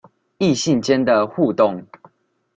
異性間的互動